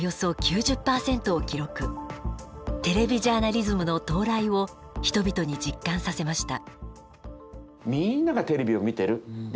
テレビジャーナリズムの到来を人々に実感させました。